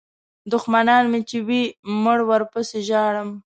دوښمنان مې چې وي مړه ورپسې ژاړم.